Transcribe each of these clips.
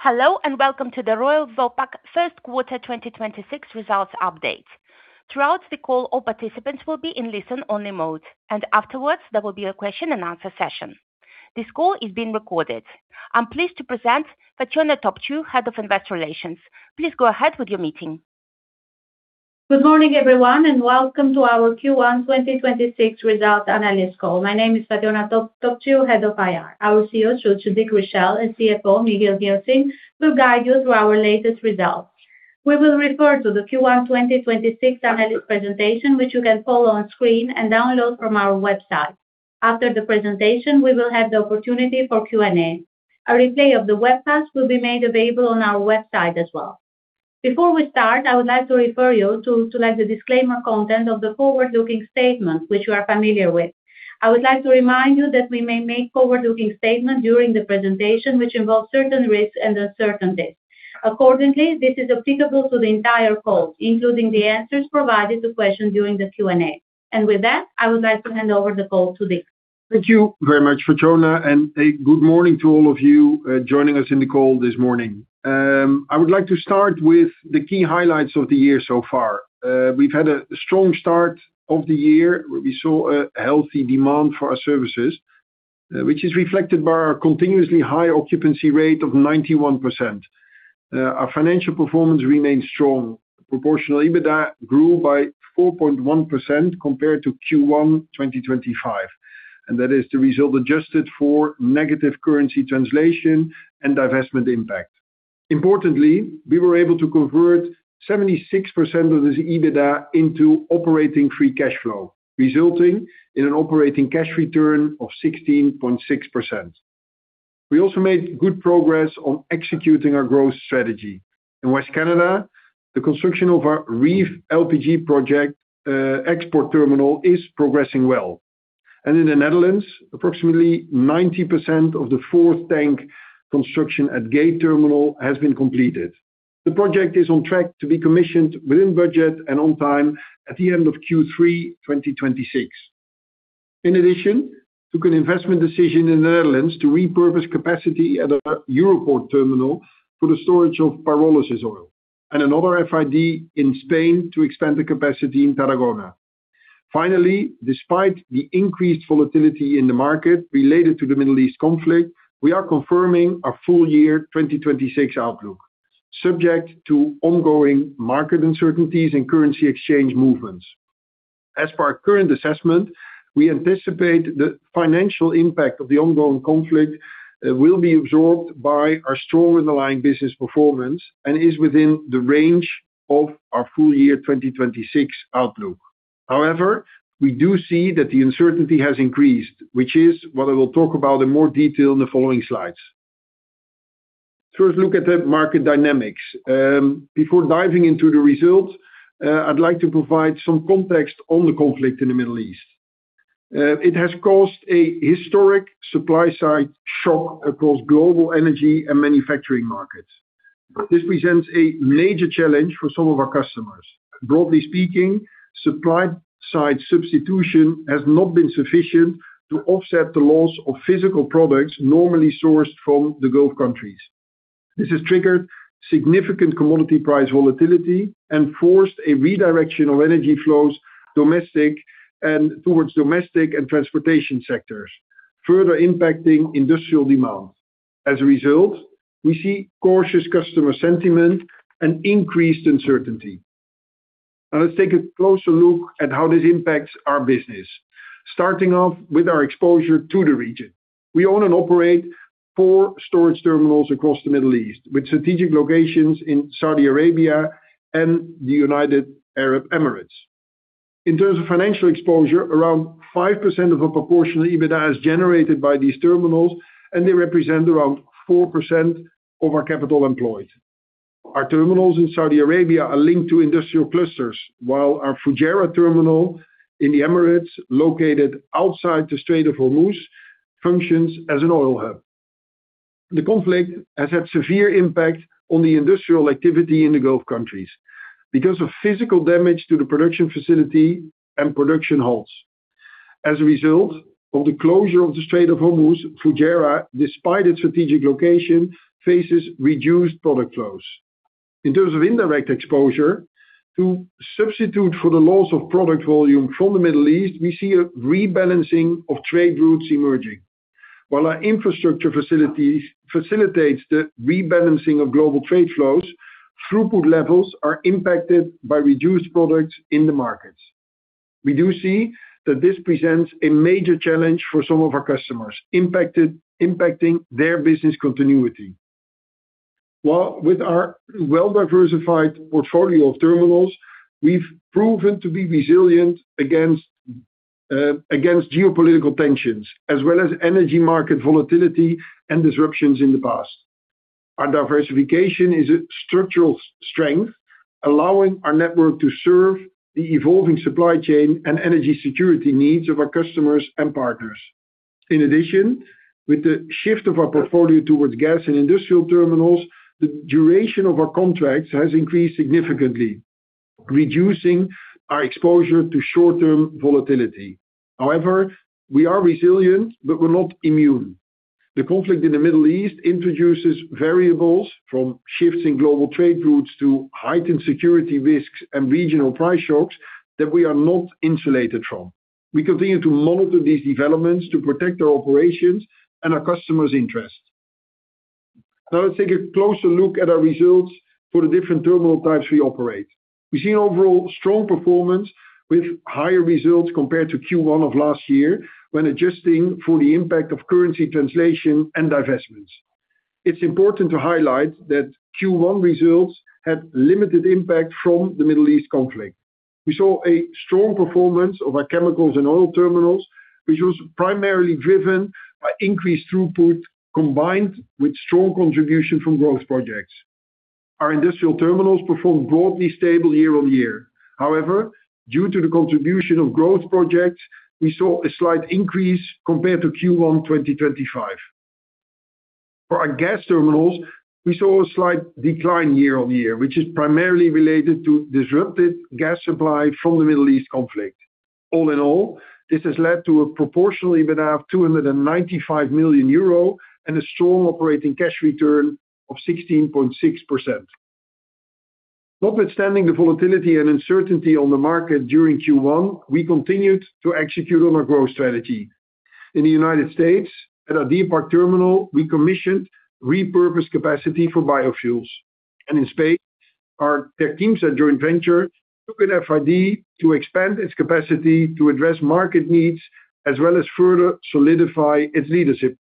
Hello, and welcome to the Royal Vopak Q1 2026 results update. Throughout the call, all participants will be in listen-only mode, and afterwards, there will be a question and answer session. This call is being recorded. I'm pleased to present Fatjona Topciu, Head of Investor Relations. Please go ahead with your meeting. Good morning, everyone, and welcome to our Q1 2026 results analyst call. My name is Fatjona Topciu, Head of IR. Our CEO, Dick Richelle, and CFO, Michiel Gilsing, will guide you through our latest results. We will refer to the Q1 2026 analyst presentation, which you can follow on screen and download from our website. After the presentation, we will have the opportunity for Q&A. A replay of the webcast will be made available on our website as well. Before we start, I would like to refer you to the disclaimer content of the forward-looking statements, which you are familiar with. I would like to remind you that we may make forward-looking statements during the presentation, which involve certain risks and uncertainties. Accordingly, this is applicable to the entire call, including the answers provided to questions during the Q&A. With that, I would like to hand over the call to Dick. Thank you very much, Fatjona, and a good morning to all of you joining us on the call this morning. I would like to start with the key highlights of the year so far. We've had a strong start of the year. We saw a healthy demand for our services, which is reflected by our continuously high occupancy rate of 91%. Our financial performance remains strong. Proportional EBITDA grew by 4.1% compared to Q1 2025, and that is the result adjusted for negative currency translation and divestment impact. Importantly, we were able to convert 76% of this EBITDA into operating free cash flow, resulting in an operating cash return of 16.6%. We also made good progress on executing our growth strategy. In West Canada, the construction of our Reeve LPG project export terminal is progressing well. In the Netherlands, approximately 90% of the fourth tank construction at Gate Terminal has been completed. The project is on track to be commissioned within budget and on time at the end of Q3 2026. In addition, we took an investment decision in the Netherlands to repurpose capacity at our Europoort terminal for the storage of pyrolysis oil and another FID in Spain to extend the capacity in Tarragona. Finally, despite the increased volatility in the market related to the Middle East conflict, we are confirming our full year 2026 outlook, subject to ongoing market uncertainties and currency exchange movements. As for our current assessment, we anticipate the financial impact of the ongoing conflict will be absorbed by our strong underlying business performance and is within the range of our full year 2026 outlook. However, we do see that the uncertainty has increased, which is what I will talk about in more detail in the following slides. First, look at the market dynamics. Before diving into the results, I'd like to provide some context on the conflict in the Middle East. It has caused a historic supply-side shock across global energy and manufacturing markets. This presents a major challenge for some of our customers. Broadly speaking, supply-side substitution has not been sufficient to offset the loss of physical products normally sourced from the Gulf countries. This has triggered significant commodity price volatility and forced a redirection of energy flows towards domestic and transportation sectors, further impacting industrial demand. As a result, we see cautious customer sentiment and increased uncertainty. Now let's take a closer look at how this impacts our business, starting off with our exposure to the region. We own and operate four storage terminals across the Middle East, with strategic locations in Saudi Arabia and the United Arab Emirates. In terms of financial exposure, around 5% of the proportional EBITDA is generated by these terminals, and they represent around 4% of our capital employed. Our terminals in Saudi Arabia are linked to industrial clusters, while our Fujairah terminal in the Emirates, located outside the Strait of Hormuz, functions as an oil hub. The conflict has had severe impact on the industrial activity in the Gulf countries because of physical damage to the production facility and production halts. As a result of the closure of the Strait of Hormuz, Fujairah, despite its strategic location, faces reduced product flows. In terms of indirect exposure, to substitute for the loss of product volume from the Middle East, we see a rebalancing of trade routes emerging. While our infrastructure facilitates the rebalancing of global trade flows, throughput levels are impacted by reduced products in the markets. We do see that this presents a major challenge for some of our customers, impacting their business continuity. With our well-diversified portfolio of terminals, we've proven to be resilient against geopolitical tensions as well as energy market volatility and disruptions in the past. Our diversification is a structural strength, allowing our network to serve the evolving supply chain and energy security needs of our customers and partners. In addition, with the shift of our portfolio towards gas and industrial terminals, the duration of our contracts has increased significantly, reducing our exposure to short-term volatility. However, we are resilient, but we're not immune. The conflict in the Middle East introduces variables from shifts in global trade routes to heightened security risks and regional price shocks that we are not insulated from. We continue to monitor these developments to protect our operations and our customers' interests. Now let's take a closer look at our results for the different terminal types we operate. We see overall strong performance with higher results compared to Q1 of last year, when adjusting for the impact of currency translation and divestments. It's important to highlight that Q1 results had limited impact from the Middle East conflict. We saw a strong performance of our chemicals and oil terminals, which was primarily driven by increased throughput, combined with strong contribution from growth projects. Our industrial terminals performed broadly stable year-over-year. However, due to the contribution of growth projects, we saw a slight increase compared to Q1 2025. For our gas terminals, we saw a slight decline year-over-year, which is primarily related to disrupted gas supply from the Middle East conflict. All in all, this has led to an underlying EBITDA of 295 million euro and a strong operating cash return of 16.6%. Notwithstanding the volatility and uncertainty on the market during Q1, we continued to execute on our growth strategy. In the United States at our Deer Park terminal, we commissioned repurposed capacity for biofuels. In Spain, our teams at joint venture took an FID to expand its capacity to address market needs, as well as further solidify its leadership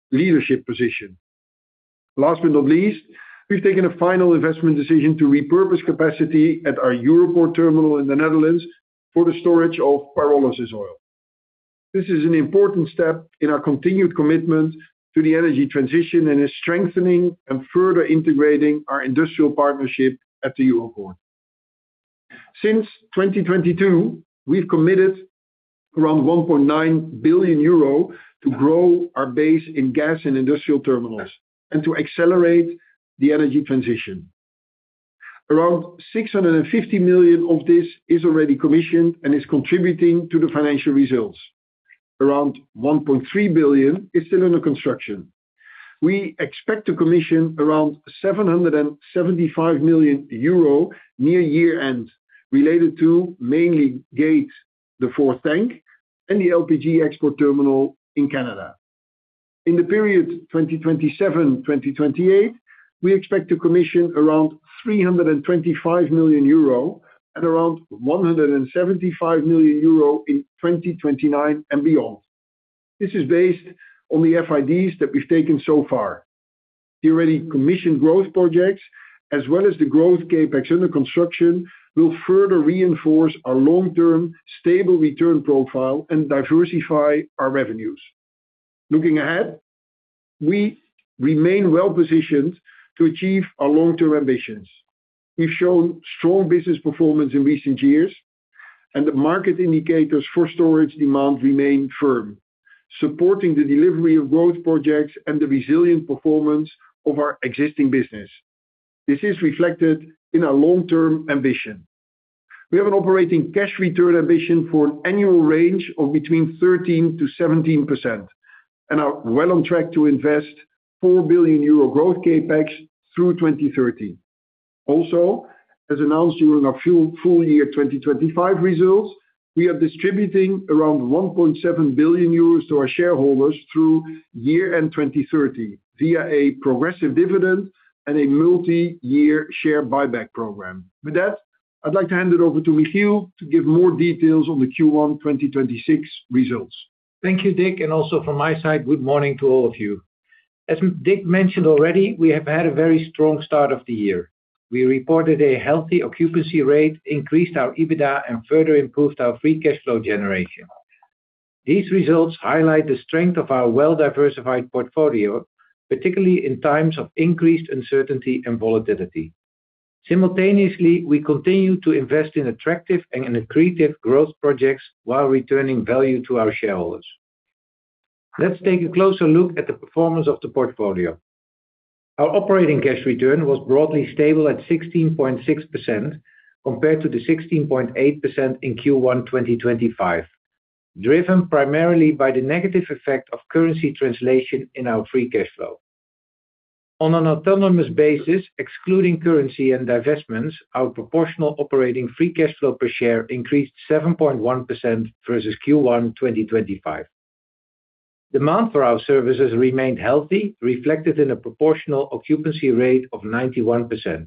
position. Last but not least, we've taken a final investment decision to repurpose capacity at our Europoort terminal in the Netherlands for the storage of pyrolysis oil. This is an important step in our continued commitment to the energy transition and is strengthening and further integrating our industrial partnership at the Europoort. Since 2022, we've committed around 1.9 billion euro to grow our base in gas and industrial terminals, and to accelerate the energy transition. Around 650 million of this is already commissioned and is contributing to the financial results. Around 1.3 billion is still under construction. We expect to commission around 775 million euro near year-end, related to mainly Gate, the fourth tank, and the LPG export terminal in Canada. In the period 2027-2028, we expect to commission around 325 million euro and around 175 million euro in 2029 and beyond. This is based on the FIDs that we've taken so far. The already commissioned growth projects, as well as the growth CapEx under construction, will further reinforce our long-term stable return profile and diversify our revenues. Looking ahead, we remain well-positioned to achieve our long-term ambitions. We've shown strong business performance in recent years, and the market indicators for storage demand remain firm, supporting the delivery of growth projects and the resilient performance of our existing business. This is reflected in our long-term ambition. We have an operating cash return ambition for an annual range of between 13%-17% and are well on track to invest 4 billion euro growth CapEx through 2030. Also, as announced during our full year 2025 results, we are distributing around 1.7 billion euros to our shareholders through year-end 2030 via a progressive dividend and a multi-year share buyback program. With that, I'd like to hand it over to Michiel to give more details on the Q1 2026 results. Thank you, Dick. Also from my side, good morning to all of you. As Dick mentioned already, we have had a very strong start of the year. We reported a healthy occupancy rate, increased our EBITDA, and further improved our free cash flow generation. These results highlight the strength of our well-diversified portfolio, particularly in times of increased uncertainty and volatility. Simultaneously, we continue to invest in attractive and accretive growth projects while returning value to our shareholders. Let's take a closer look at the performance of the portfolio. Our operating cash return was broadly stable at 16.6% compared to the 16.8% in Q1 2025, driven primarily by the negative effect of currency translation in our free cash flow. On an autonomous basis, excluding currency and divestments, our proportional operating free cash flow per share increased 7.1% versus Q1 2025. Demand for our services remained healthy, reflected in a proportional occupancy rate of 91%.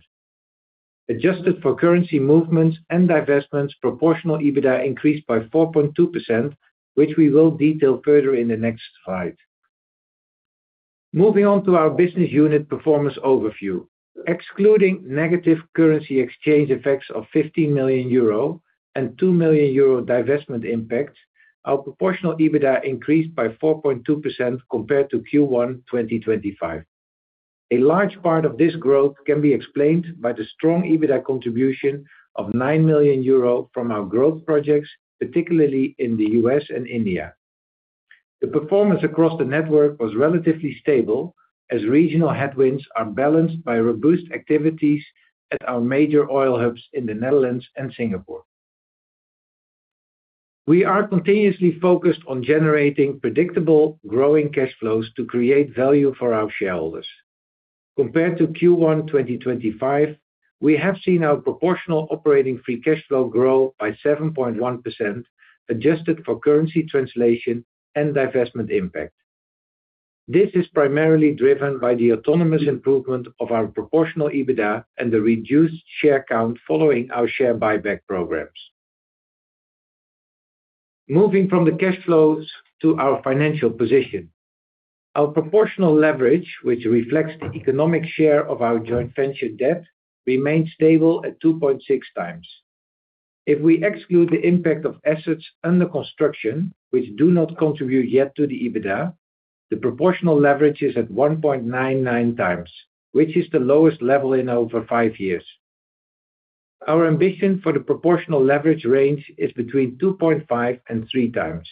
Adjusted for currency movements and divestments, proportional EBITDA increased by 4.2%, which we will detail further in the next slide. Moving on to our business unit performance overview. Excluding negative currency exchange effects of 15 million euro and 2 million euro divestment impact, our proportional EBITDA increased by 4.2% compared to Q1 2025. A large part of this growth can be explained by the strong EBITDA contribution of 9 million euro from our growth projects, particularly in the U.S. and India. The performance across the network was relatively stable, as regional headwinds are balanced by robust activities at our major oil hubs in the Netherlands and Singapore. We are continuously focused on generating predictable growing cash flows to create value for our shareholders. Compared to Q1 2025, we have seen our proportional operating free cash flow grow by 7.1%, adjusted for currency translation and divestment impact. This is primarily driven by the autonomous improvement of our proportional EBITDA and the reduced share count following our share buyback programs. Moving from the cash flows to our financial position. Our proportional leverage, which reflects the economic share of our joint venture debt, remains stable at 2.6x. If we exclude the impact of assets under construction, which do not contribute yet to the EBITDA, the proportional leverage is at 1.99x, which is the lowest level in over five years. Our ambition for the proportional leverage range is between 2.5x and 3x.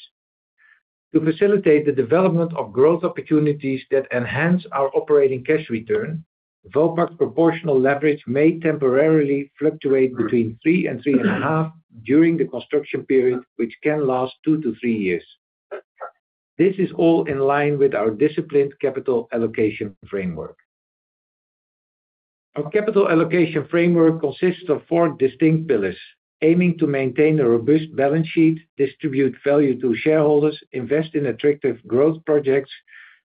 To facilitate the development of growth opportunities that enhance our operating cash return, Vopak's proportional leverage may temporarily fluctuate between 3-3.5 during the construction period, which can last 2 years-3 years. This is all in line with our disciplined capital allocation framework. Our capital allocation framework consists of four distinct pillars aiming to maintain a robust balance sheet, distribute value to shareholders, invest in attractive growth projects,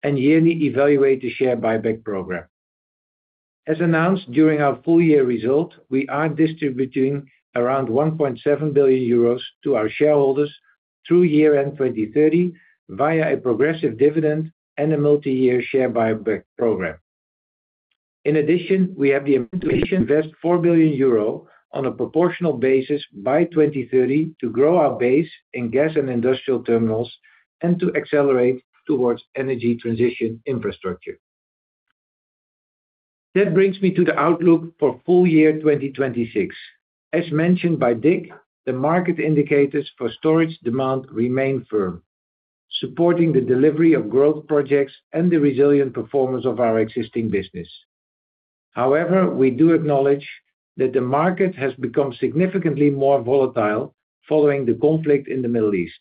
and yearly evaluate the share buyback program. As announced during our full-year results, we are distributing around 1.7 billion euros to our shareholders through year-end 2030 via a progressive dividend and a multi-year share buyback program. In addition, we have the ambition to invest 4 billion euro on a proportional basis by 2030 to grow our base in gas terminals and industrial terminals and to accelerate towards energy transition infrastructure. That brings me to the outlook for full year 2026. As mentioned by Dick, the market indicators for storage demand remain firm, supporting the delivery of growth projects and the resilient performance of our existing business. However, we do acknowledge that the market has become significantly more volatile following the conflict in the Middle East.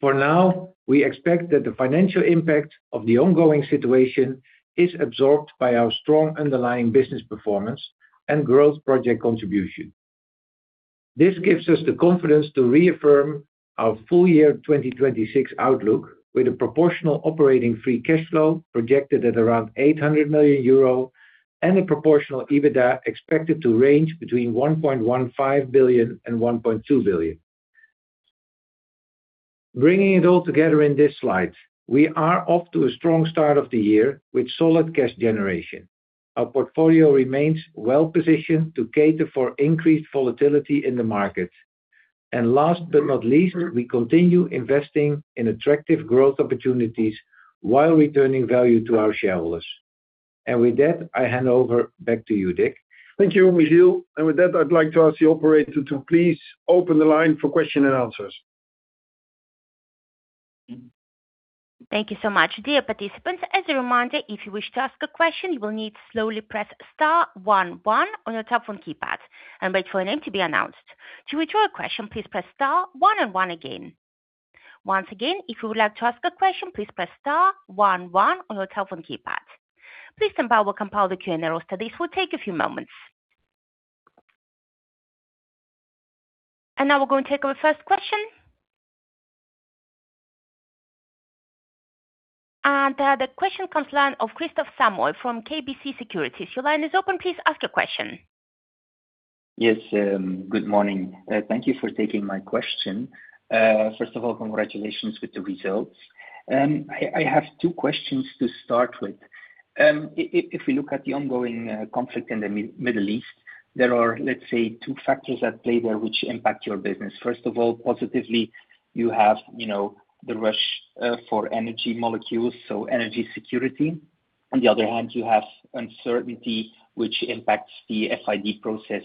For now, we expect that the financial impact of the ongoing situation is absorbed by our strong underlying business performance and growth project contribution. This gives us the confidence to reaffirm our full year 2026 outlook, with a proportional operating free cash flow projected at around 800 million euro and a proportional EBITDA expected to range between 1.15 billion-1.2 billion. Bringing it all together in this slide. We are off to a strong start of the year with solid cash generation. Our portfolio remains well-positioned to cater for increased volatility in the market. Last but not least, we continue investing in attractive growth opportunities while returning value to our shareholders. With that, I hand over back to you, Dick. Thank you, Michiel. With that, I'd like to ask the operator to please open the line for question and answers. Thank you so much. Dear participants, as a reminder, if you wish to ask a question, you will need to slowly press star one one on your telephone keypad and wait for your name to be announced. To withdraw a question, please press star one and one again. Once again, if you would like to ask a question, please press star one one on your telephone keypad. Please stand by while we compile the Q&A roster. This will take a few moments. Now we're going to take our first question. The question comes from the line of Kristof Samoy from KBC Securities. Your line is open. Please ask your question. Yes. Good morning. Thank you for taking my question. First of all, congratulations with the results. I have two questions to start with. If we look at the ongoing conflict in the Middle East, there are, let's say, two factors at play there which impact your business. First of all, positively, you have the rush for energy molecules, so energy security. On the other hand, you have uncertainty, which impacts the FID process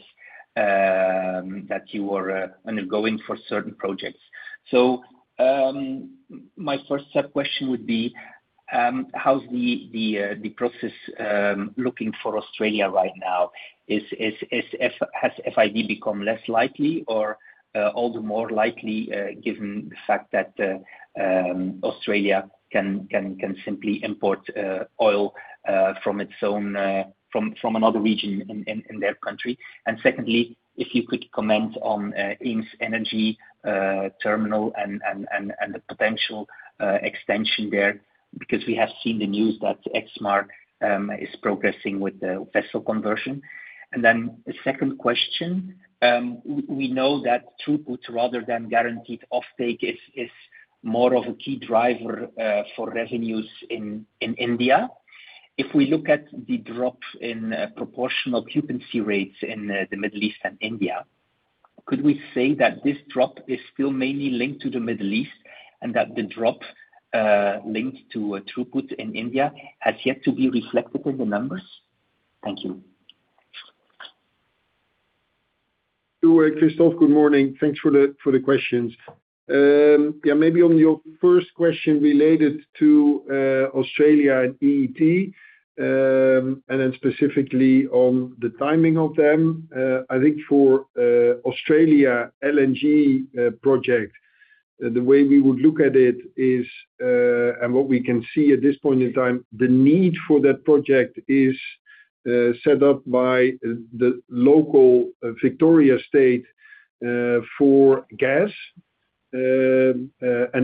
that you are undergoing for certain projects. My first sub-question would be, how's the process looking for Australia right now? Has FID become less likely or all the more likely, given the fact that Australia can simply import oil from another region in their country? And secondly, if you could comment on EemsEnergyTerminal and the potential extension there, because we have seen the news that EXMAR is progressing with the vessel conversion. The second question. We know that throughput rather than guaranteed offtake is more of a key driver for revenues in India. If we look at the drop in proportional occupancy rates in the Middle East and India, could we say that this drop is still mainly linked to the Middle East and that the drop linked to throughput in India has yet to be reflected in the numbers? Thank you. Hello, Kristof. Good morning. Thanks for the questions. Maybe on your first question related to Australia and EET, and then specifically on the timing of them. I think for Australia LNG project, the way we would look at it, and what we can see at this point in time, the need for that project is set up by the local Victoria state for gas, and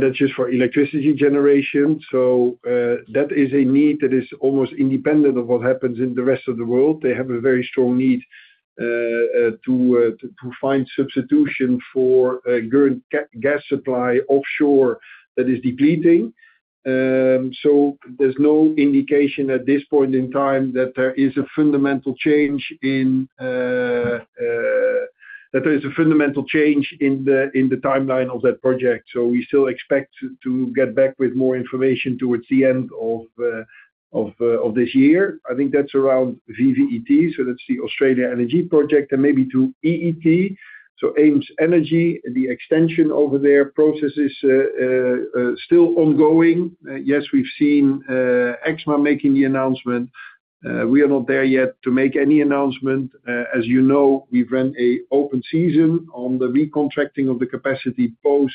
that's just for electricity generation. That is a need that is almost independent of what happens in the rest of the world. They have a very strong need to find substitution for current gas supply offshore that is depleting. There's no indication at this point in time that there is a fundamental change in the timeline of that project. We still expect to get back with more information towards the end of this year. I think that's around VVET, so that's the Australia energy project and maybe to EET, so EemsEnergy, the extension over there. Process is still ongoing. Yes, we've seen EXMAR making the announcement. We are not there yet to make any announcement. As you know, we've ran a open season on the recontracting of the capacity post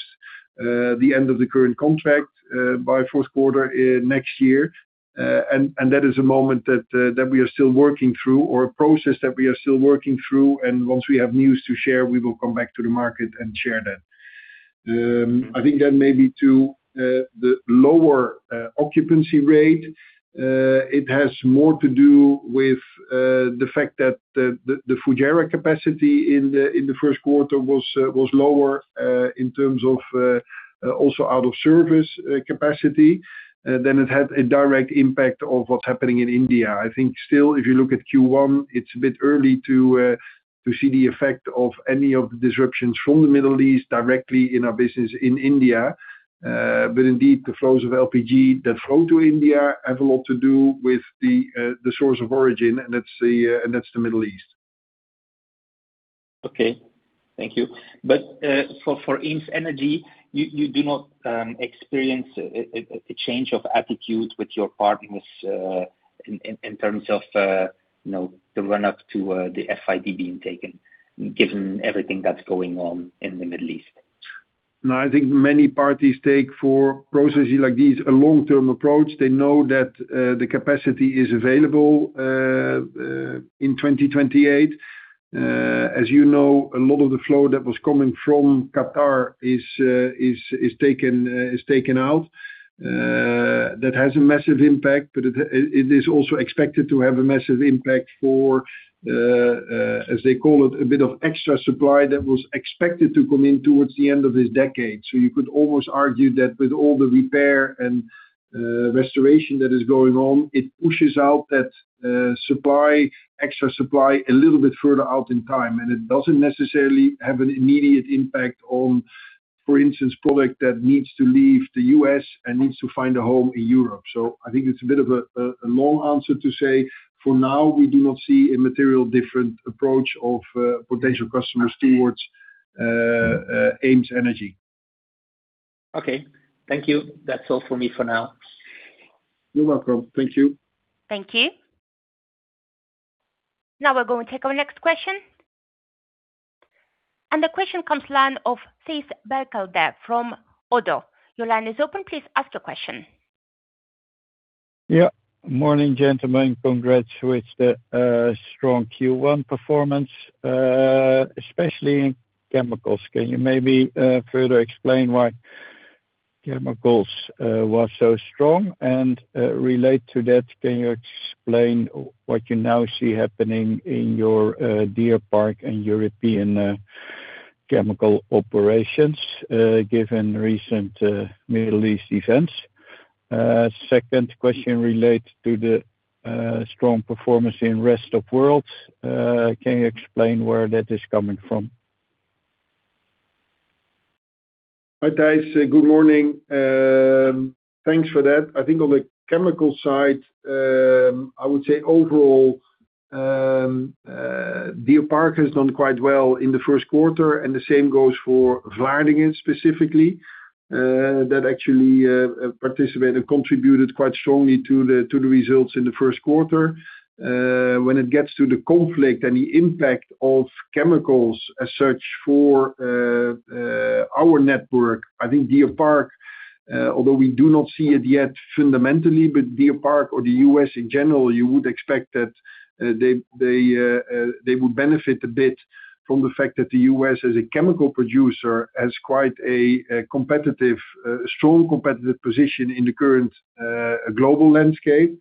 the end of the current contract by Q4 next year. That is a moment that we are still working through or a process that we are still working through, and once we have news to share, we will come back to the market and share that. I think then maybe to the lower occupancy rate. It has more to do with the fact that the Fujairah capacity in the Q1 was lower, in terms of also out of service capacity, than it had a direct impact of what's happening in India. I think still, if you look at Q1, it's a bit early to see the effect of any of the disruptions from the Middle East directly in our business in India. Indeed, the flows of LPG that flow to India have a lot to do with the source of origin, and that's the Middle East. Okay. Thank you. For EemsEnergyTerminal, you do not experience a change of attitude with your partners in terms of the run-up to the FID being taken, given everything that's going on in the Middle East? No, I think many parties take, for processes like these, a long-term approach. They know that the capacity is available in 2028. As you know, a lot of the flow that was coming from Qatar is taken out. That has a massive impact, but it is also expected to have a massive impact for, as they call it, a bit of extra supply that was expected to come in towards the end of this decade. You could almost argue that with all the repair and restoration that is going on, it pushes out that extra supply a little bit further out in time. It doesn't necessarily have an immediate impact on, for instance, product that needs to leave the U.S. and needs to find a home in Europe. I think it's a bit of a long answer to say, for now, we do not see a materially different approach of potential customers towards EemsEnergy. Okay. Thank you. That's all for me for now. You're welcome. Thank you. Thank you. Now we're going to take our next question. The question comes from the line of Thijs Berkelder from ODDO. Your line is open, please ask your question. Yeah. Morning, gentlemen. Congrats with the strong Q1 performance, especially in chemicals. Can you maybe further explain why chemicals was so strong? Related to that, can you explain what you now see happening in your Deer Park and European chemical operations, given recent Middle East events? Second question relates to the strong performance in rest of world. Can you explain where that is coming from? Hi, Thijs. Good morning. Thanks for that. I think on the chemical side, I would say overall, Deer Park has done quite well in the Q1, and the same goes for Vlaardingen specifically. That actually participated, contributed quite strongly to the results in the Q1. When it gets to the conflict and the impact of chemicals as such for our network, I think Deer Park, although we do not see it yet fundamentally, but Deer Park or the U.S. in general, you would expect that they would benefit a bit from the fact that the U.S. as a chemical producer has quite a strong competitive position in the current global landscape.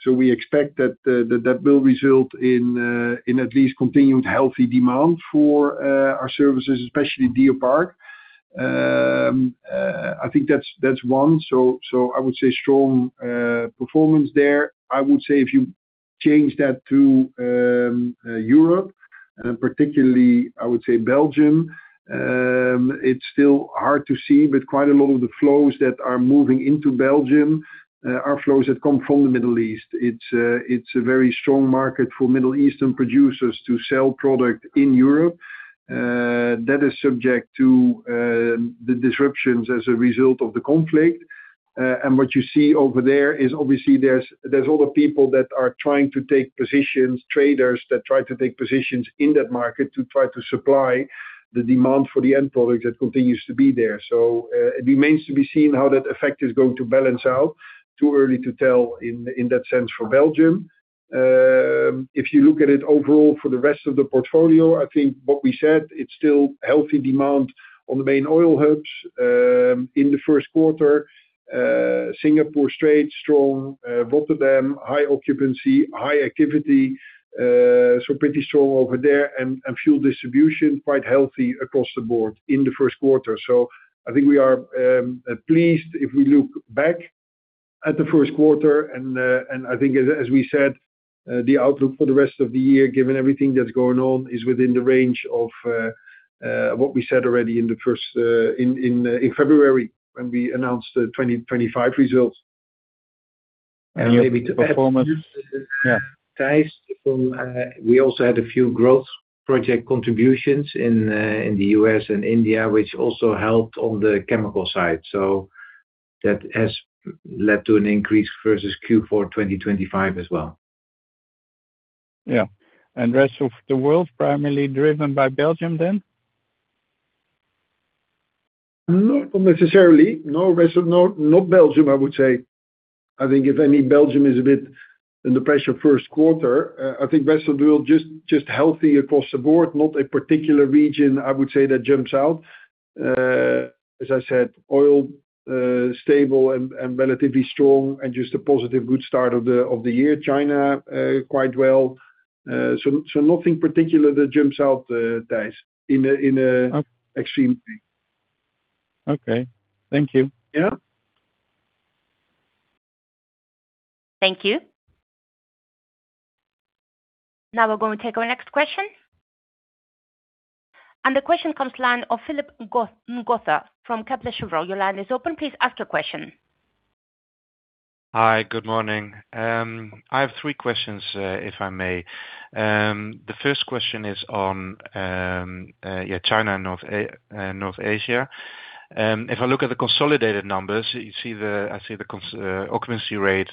So we expect that will result in at least continued healthy demand for our services, especially Deer Park. I think that's one. So I would say strong performance there. I would say if you change that to Europe, and particularly I would say Belgium, it's still hard to see, but quite a lot of the flows that are moving into Belgium are flows that come from the Middle East. It's a very strong market for Middle Eastern producers to sell product in Europe. That is subject to the disruptions as a result of the conflict. What you see over there is obviously there's a lot of people that are trying to take positions, traders that try to take positions in that market to try to supply the demand for the end product that continues to be there. It remains to be seen how that effect is going to balance out, too early to tell in that sense for Belgium. If you look at it overall for the rest of the portfolio, I think what we said, it's still healthy demand on the main oil hubs. In the Q1, Singapore Strait strong, Rotterdam, high occupancy, high activity, so pretty strong over there and fuel distribution quite healthy across the board in the Q1. I think we are pleased if we look back at the Q1, and I think as we said, the outlook for the rest of the year, given everything that's going on, is within the range of what we said already in February, when we announced the 2025 results. Maybe to add, Thijs, we also had a few growth project contributions in the U.S. and India, which also helped on the chemical side. That has led to an increase versus Q4 2025 as well. Yeah. Rest of the world, primarily driven by Belgium then? Not necessarily. No Belgium, I would say. I think if any, Belgium is a bit under pressure Q1. I think rest of world just healthy across the board, not a particular region. I would say that jumps out. As I said, oil, stable and relatively strong and just a positive good start of the year. China, quite well. Nothing particular that jumps out, Thijs, in an extreme way. Okay. Thank you. Yeah. Thank you. Now we're going to take our next question. The question comes from the line of Philip Ngotho from Kepler Cheuvreux. Your line is open. Please ask your question. Hi. Good morning. I have three questions, if I may. The first question is on China and North Asia. If I look at the consolidated numbers, I see the occupancy rates,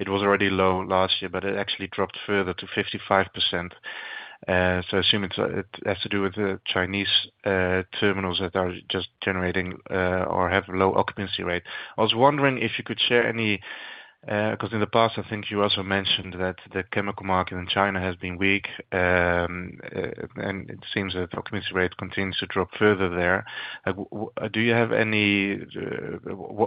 it was already low last year, but it actually dropped further to 55%. I assume it has to do with the Chinese terminals that are just generating or have low occupancy rate. I was wondering if you could share any, because in the past, I think you also mentioned that the chemical market in China has been weak, and it seems that occupancy rate continues to drop further there. What are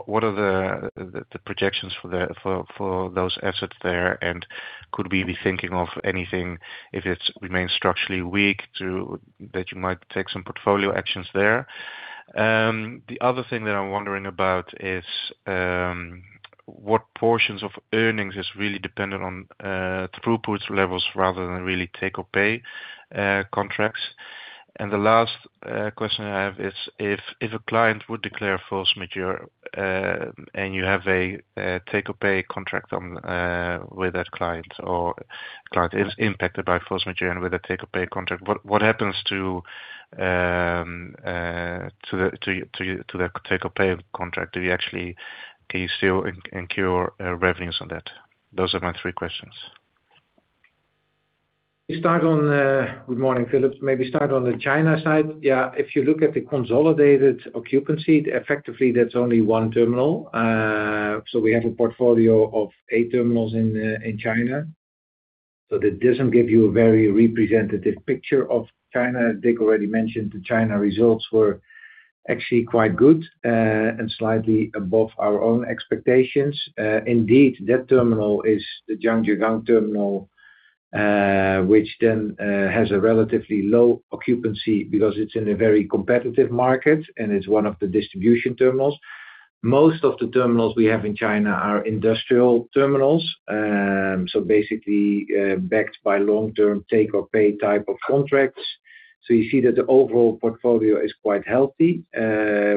the projections for those assets there? And could we be thinking of anything if it remains structurally weak, that you might take some portfolio actions there? The other thing that I'm wondering about is, what portions of earnings is really dependent on throughput levels rather than really take or pay contracts? The last question I have is, if a client would declare force majeure, and you have a take or pay contract with that client, or client is impacted by force majeure and with a take or pay contract, what happens to the take or pay contract? Can you still incur revenues on that? Those are my three questions. Good morning, Philip. Maybe start on the China side. Yeah. If you look at the consolidated occupancy, effectively, that's only one terminal. We have a portfolio of eight terminals in China. That doesn't give you a very representative picture of China. Dick already mentioned the China results were actually quite good and slightly above our own expectations. Indeed, that terminal is the Zhangjiagang terminal, which then has a relatively low occupancy because it's in a very competitive market, and it's one of the distribution terminals. Most of the terminals we have in China are industrial terminals. Basically, backed by long-term take or pay type of contracts. You see that the overall portfolio is quite healthy.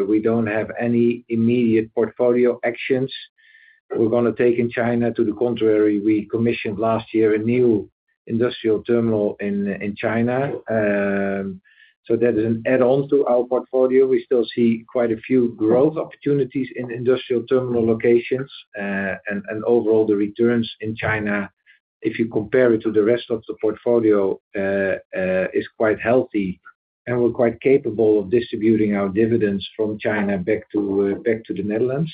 We don't have any immediate portfolio actions we're gonna take in China. To the contrary, we commissioned last year a new industrial terminal in China. That is an add-on to our portfolio. We still see quite a few growth opportunities in industrial terminal locations. Overall, the returns in China, if you compare it to the rest of the portfolio, is quite healthy, and we're quite capable of distributing our dividends from China back to the Netherlands.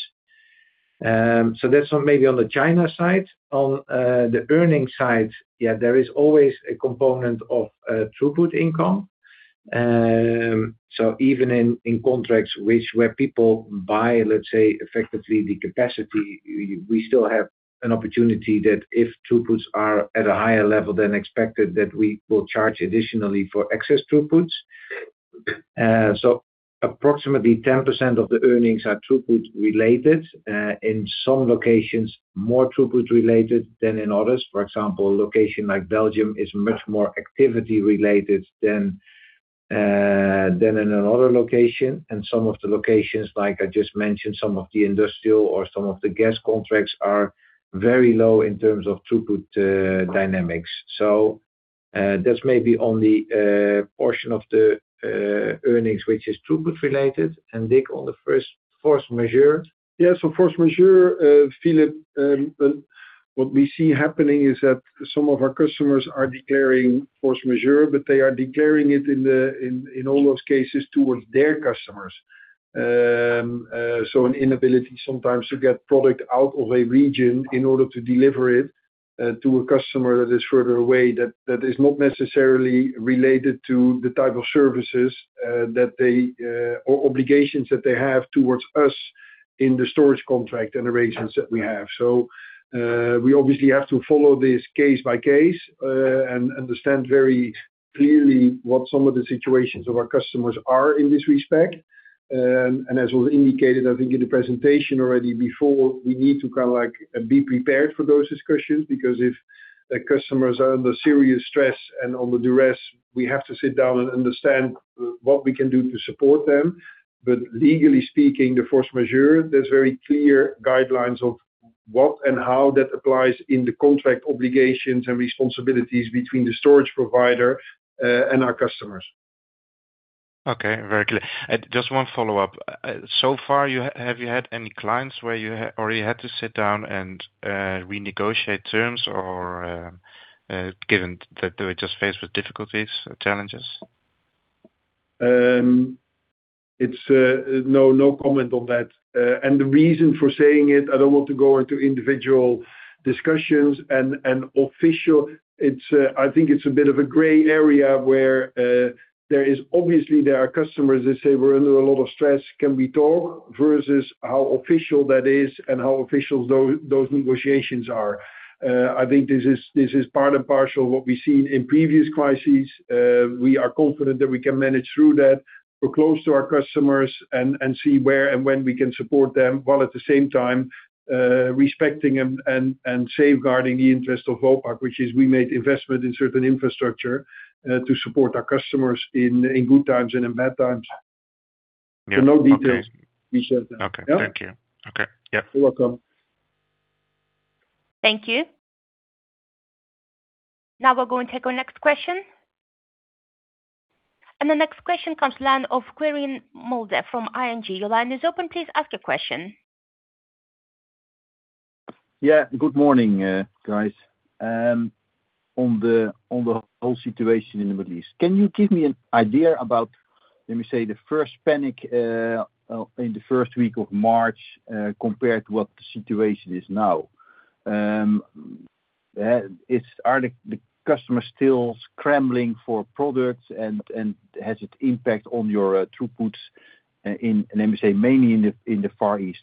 That's maybe on the China side. On the earnings side, yeah, there is always a component of throughput income. Even in contracts where people buy, let's say, effectively the capacity, we still have an opportunity that if throughputs are at a higher level than expected, that we will charge additionally for excess throughputs. Approximately 10% of the earnings are throughput-related. In some locations, more throughput-related than in others. For example, a location like Belgium is much more activity-related than in another location. Some of the locations, like I just mentioned, some of the industrial or some of the gas contracts are very low in terms of throughput dynamics. That's maybe on the portion of the earnings, which is throughput related, and Dick, on the force majeure. Yeah. Force majeure, Philip, what we see happening is that some of our customers are declaring force majeure, but they are declaring it in all those cases towards their customers, an inability sometimes to get product out of a region in order to deliver it to a customer that is further away, that is not necessarily related to the type of services or obligations that they have towards us in the storage contract and arrangements that we have. We obviously have to follow this case by case, and understand very clearly what some of the situations of our customers are in this respect. As was indicated, I think in the presentation already before, we need to be prepared for those discussions, because if the customers are under serious stress and under duress, we have to sit down and understand what we can do to support them. Legally speaking, the force majeure, there's very clear guidelines of what and how that applies in the contract obligations and responsibilities between the storage provider, and our customers. Okay. Very clear. Just one follow-up. So far, have you had any clients where you already had to sit down and renegotiate terms or, given that they were just faced with difficulties or challenges? No comment on that. The reason for saying it, I don't want to go into individual discussions and official. I think it's a bit of a gray area where obviously there are customers that say, "We're under a lot of stress. Can we talk?" Versus how official that is and how official those negotiations are. I think this is part and parcel of what we've seen in previous crises. We are confident that we can manage through that. We're close to our customers and see where and when we can support them, while at the same time, respecting and safeguarding the interest of Vopak, which is we made investment in certain infrastructure to support our customers in good times and in bad times. Yeah. Okay. No details. Okay. Thank you. Okay. Yep. You're welcome. Thank you. Now we'll go and take our next question. The next question comes from the line of Quirijn Mulder from ING. Your line is open, please ask your question. Yeah, good morning, guys. On the whole situation in the Middle East, can you give me an idea about, let me say, the first panic in the first week of March, compared to what the situation is now? Are the customers still scrambling for products and has it had an impact on your throughput, let me say, mainly in the Far East?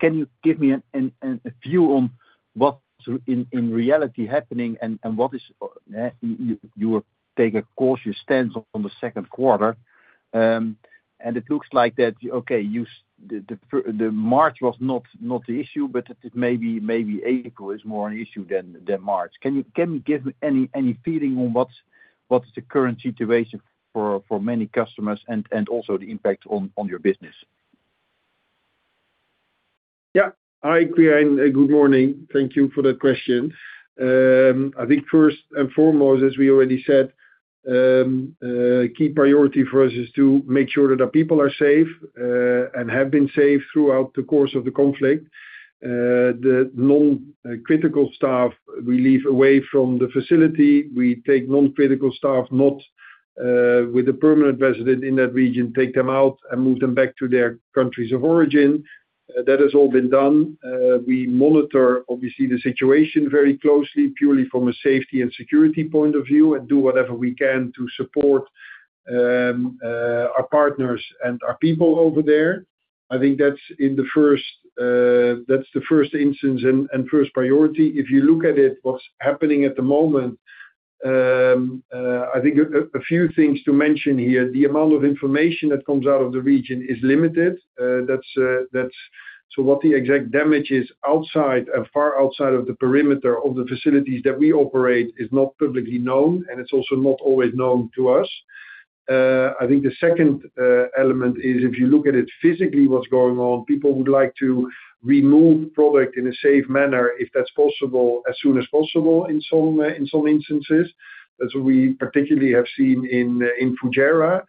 Can you give me a view on what is really happening? You will take a cautious stance on the Q2, and it looks like that. Okay, March was not the issue, but maybe April is more of an issue than March. Can you give me any feeling on what's the current situation for many customers and also the impact on your business? Yeah. Hi, Quirijn, good morning. Thank you for that question. I think first and foremost, as we already said, key priority for us is to make sure that our people are safe, and have been safe throughout the course of the conflict. The non-critical staff, we keep away from the facility. We take non-critical staff who are not permanent residents in that region, take them out and move them back to their countries of origin. That has all been done. We monitor, obviously, the situation very closely, purely from a safety and security point of view, and do whatever we can to support our partners and our people over there. I think that's the first instance and first priority. If you look at it, what's happening at the moment, I think a few things to mention here, the amount of information that comes out of the region is limited. What the exact damage is outside and far outside of the perimeter of the facilities that we operate is not publicly known, and it's also not always known to us. I think the second element is if you look at it physically, what's going on, people would like to remove product in a safe manner, if that's possible, as soon as possible in some instances. That's what we particularly have seen in Fujairah.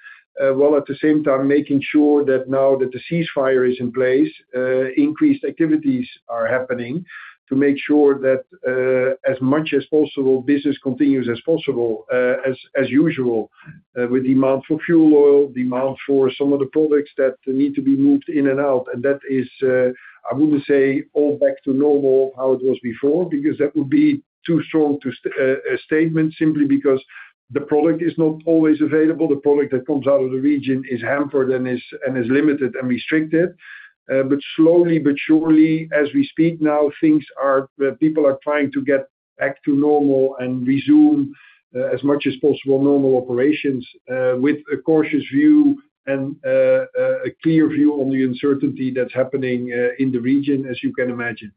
While at the same time making sure that now that the ceasefire is in place, increased activities are happening to make sure that, as much as possible, business continues as possible, as usual, with demand for fuel oil, demand for some of the products that need to be moved in and out. That is, I wouldn't say all back to normal how it was before, because that would be too strong a statement, simply because the product is not always available. The product that comes out of the region is hampered and is limited and restricted. Slowly but surely, as we speak now, people are trying to get back to normal and resume as much as possible normal operations, with a cautious view and a clear view on the uncertainty that's happening, in the region, as you can imagine.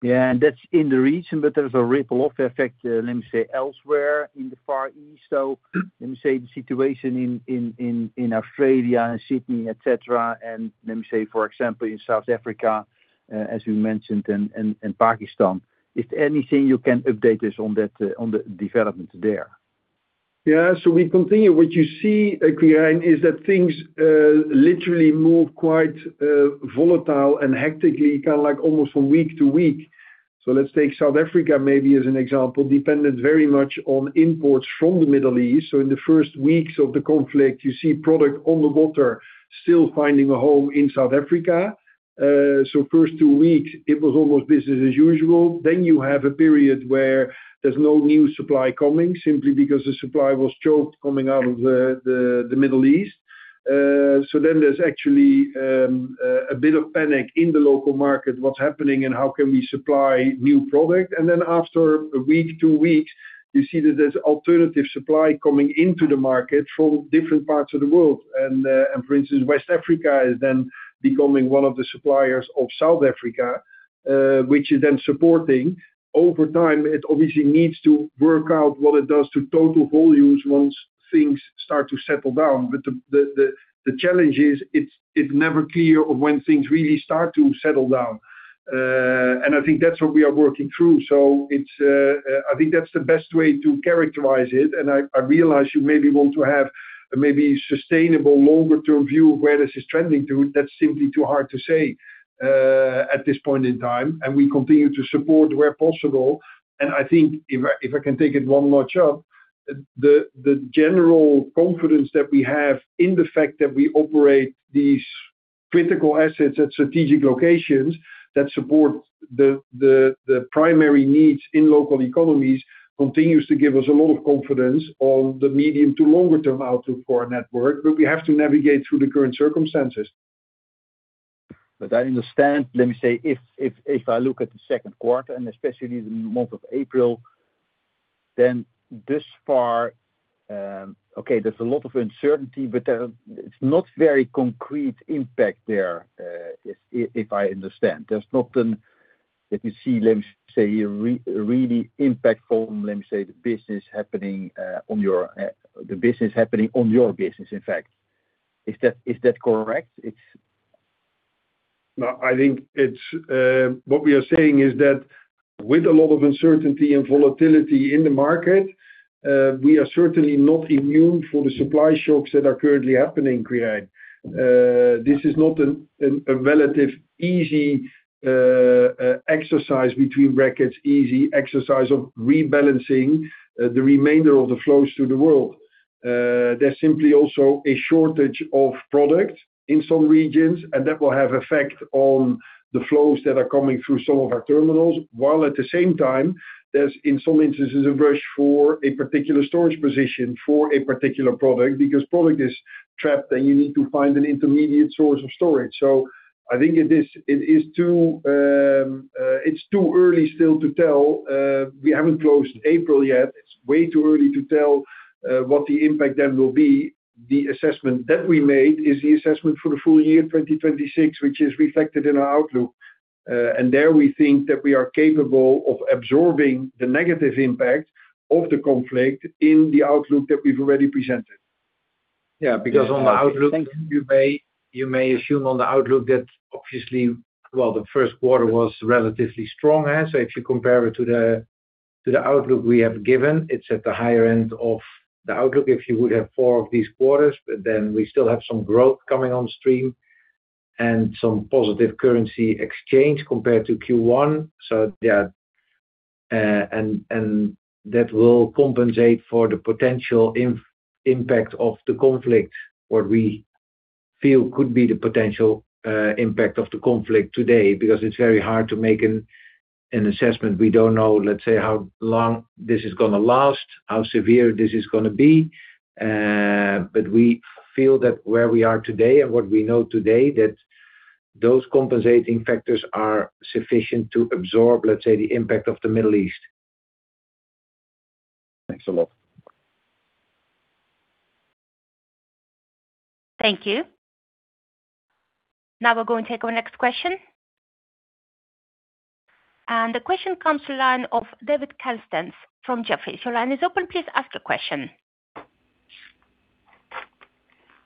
Yeah, that's in the region, but there's a ripple effect, let me say, elsewhere in the Far East. Let me say the situation in Australia and Sydney, et cetera, and let me say, for example, in South Africa, as you mentioned, and Pakistan. If anything, you can update us on the developments there. Yeah. We continue. What you see, Quirijn, is that things literally move quite volatile and hectically, almost from week to week. Let's take South Africa, maybe as an example, dependent very much on imports from the Middle East. In the first weeks of the conflict, you see product on the water still finding a home in South Africa. In the first two weeks it was almost business as usual. You have a period where there's no new supply coming, simply because the supply was choked coming out of the Middle East. There's actually a bit of panic in the local market, what's happening and how can we supply new product? After a week, two weeks, you see that there's alternative supply coming into the market from different parts of the world. For instance, West Africa is then becoming one of the suppliers of South Africa, which is then supporting. Over time, it obviously needs to work out what it does to total volumes once things start to settle down. The challenge is, it's never clear of when things really start to settle down. I think that's what we are working through. I think that's the best way to characterize it. I realize you maybe want to have maybe sustainable longer term view of where this is trending to. That's simply too hard to say at this point in time. We continue to support where possible. I think if I can take it one notch up, the general confidence that we have in the fact that we operate these critical assets at strategic locations that support the primary needs in local economies, continues to give us a lot of confidence on the medium to longer term outlook for our network. We have to navigate through the current circumstances. I understand. If I look at the Q2 and especially the month of April, then thus far, okay, there's a lot of uncertainty, but it's not very concrete impact there, if I understand. There's not a really impactful impact on your business, in fact. Is that correct? No, I think what we are saying is that with a lot of uncertainty and volatility in the market, we are certainly not immune from the supply shocks that are currently happening, Quirijn. This is not a relatively easy exercise of rebalancing the remainder of the flows through the world. There's simply also a shortage of product in some regions, and that will have effect on the flows that are coming through some of our terminals, while at the same time, there's, in some instances, a rush for a particular storage position for a particular product because product is trapped, and you need to find an intermediate source of storage. I think it's too early still to tell. We haven't closed April yet. It's way too early to tell what the impact then will be. The assessment that we made is the assessment for the full year 2026, which is reflected in our outlook. There we think that we are capable of absorbing the negative impact of the conflict in the outlook that we've already presented. Yeah, because on the outlook, you may assume on the outlook that obviously, well, the Q1 was relatively strong. If you compare it to the outlook we have given, it's at the higher end of the outlook if you would have four of these quarters, but then we still have some growth coming on stream and some positive currency exchange compared to Q1. That will compensate for the potential impact of the conflict, what we feel could be the potential impact of the conflict today, because it's very hard to make an assessment. We don't know, let's say, how long this is going to last, how severe this is going to be. We feel that where we are today and what we know today, that those compensating factors are sufficient to absorb, let's say, the impact of the Middle East. Thanks a lot. Thank you. Now we're going to take our next question. The question comes from the line of David Kerstens from Jefferies. Your line is open. Please ask your question.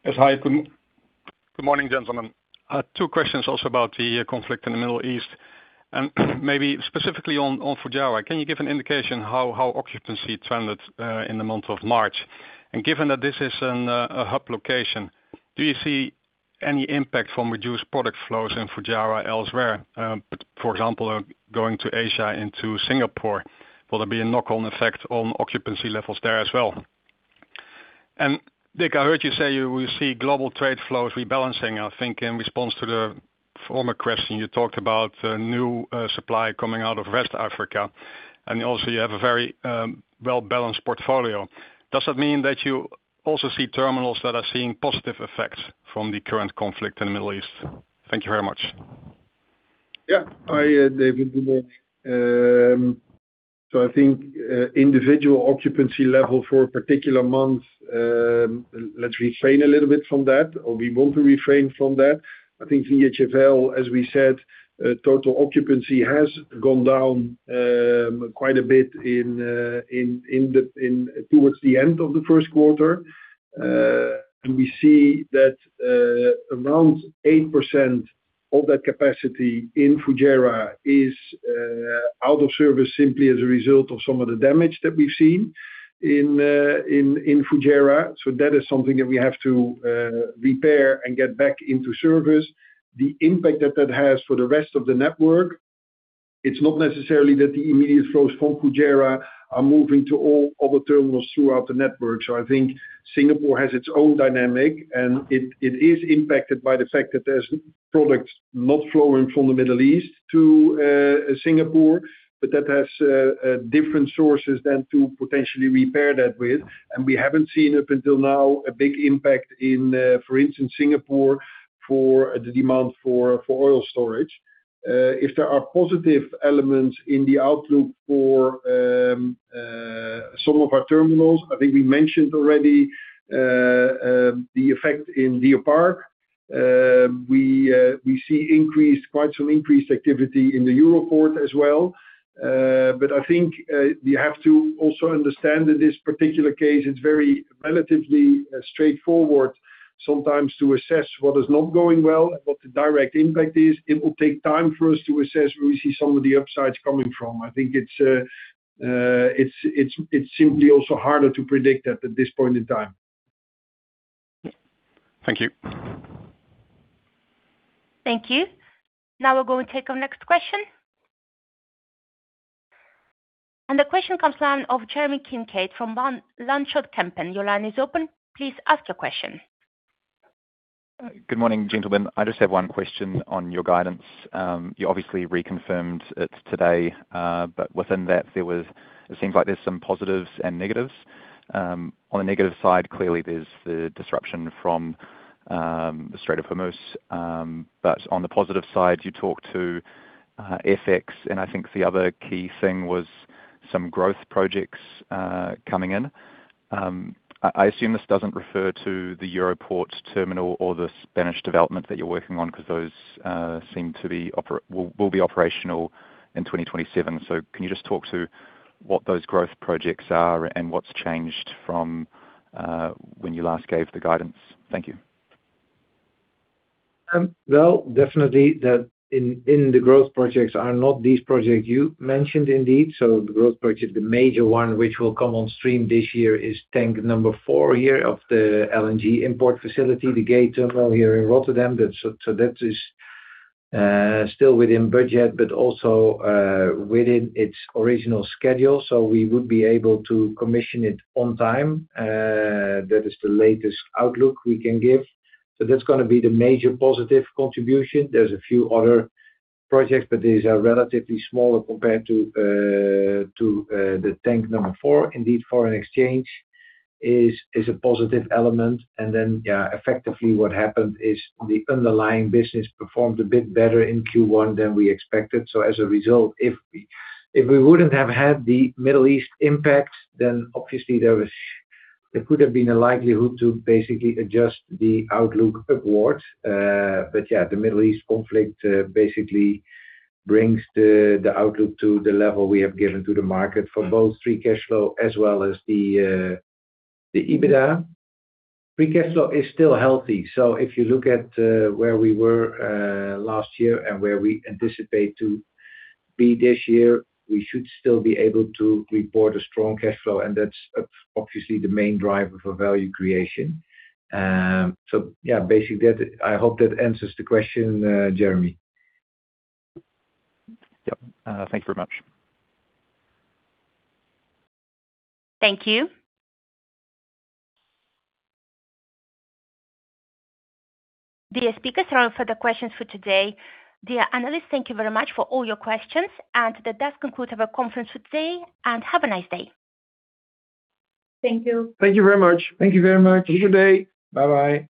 Yes. Hi. Good morning, gentlemen. Two questions also about the conflict in the Middle East and maybe specifically on Fujairah. Can you give an indication how occupancy trended in the month of March? Given that this is a hub location, do you see any impact from reduced product flows in Fujairah elsewhere, for example, going to Asia into Singapore? Will there be a knock-on effect on occupancy levels there as well? Dick, I heard you say we see global trade flows rebalancing. I think in response to the former question, you talked about new supply coming out of West Africa. Also you have a very well-balanced portfolio. Does that mean that you also see terminals that are seeing positive effects from the current conflict in the Middle East? Thank you very much. Yeah. Hi, David. Good morning. I think individual occupancy level for a particular month, let's refrain a little bit from that, or we want to refrain from that. I think VHFL, as we said, total occupancy has gone down quite a bit towards the end of the Q1. We see that around 8%. All that capacity in Fujairah is out of service simply as a result of some of the damage that we've seen in Fujairah. That is something that we have to repair and get back into service. The impact that that has for the rest of the network, it's not necessarily that the immediate flows from Fujairah are moving to all other terminals throughout the network. I think Singapore has its own dynamic, and it is impacted by the fact that there's products not flowing from the Middle East to Singapore, but that has different sources than to potentially repair that with, and we haven't seen up until now a big impact in, for instance, Singapore for the demand for oil storage. If there are positive elements in the outlook for some of our terminals, I think we mentioned already, the effect in Deer Park. We see quite some increased activity in the Europoort as well. I think, we have to also understand that this particular case, it's very relatively straightforward sometimes to assess what is not going well and what the direct impact is. It will take time for us to assess where we see some of the upsides coming from. I think it's simply also harder to predict that at this point in time. Thank you. Thank you. Now we'll go and take our next question. The question comes from Jeremy Kincaid of Van Lanschot Kempen. Your line is open. Please ask your question. Good morning, gentlemen. I just have one question on your guidance. You obviously reconfirmed it today, but within that, it seems like there's some positives and negatives. On the negative side, clearly there's the disruption from Strait of Hormuz. On the positive side, you talk to FX, and I think the other key thing was some growth projects coming in. I assume this doesn't refer to the Europoort terminal or the Spanish development that you're working on, because those will be operational in 2027. Can you just talk to what those growth projects are and what's changed from when you last gave the guidance? Thank you. Well, definitely, the growth projects are not these projects you mentioned, indeed. The growth project, the major one which will come on stream this year is tank number four here of the LNG import facility, the Gate terminal here in Rotterdam. That is still within budget, but also within its original schedule, so we would be able to commission it on time. That is the latest outlook we can give. That's gonna be the major positive contribution. There's a few other projects, but these are relatively smaller compared to the tank number four. Indeed, foreign exchange is a positive element. Then, yeah, effectively what happened is the underlying business performed a bit better in Q1 than we expected. As a result, if we wouldn't have had the Middle East impact, then obviously there could have been a likelihood to basically adjust the outlook upwards. Yeah, the Middle East conflict basically brings the outlook to the level we have given to the market for both free cash flow as well as the EBITDA. Free cash flow is still healthy. If you look at where we were last year and where we anticipate to be this year, we should still be able to report a strong cash flow, and that's obviously the main driver for value creation. Yeah, basically, I hope that answers the question, Jeremy. Yep. Thank you very much. Thank you. Dear speakers, there are no further questions for today. Dear analysts, thank you very much for all your questions, and that does conclude our conference for today, and have a nice day. Thank you. Thank you very much. Thank you very much. Have a good day. Bye-bye.